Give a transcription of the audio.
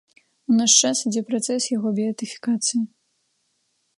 У наш час ідзе працэс яго беатыфікацыі.